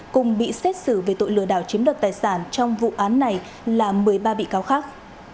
cùng bị xét xử về tội lừa đảo chiếm đoạt tài sản trong vụ án này là một mươi ba bị cáo khác